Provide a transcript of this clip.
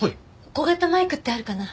小型マイクってあるかな？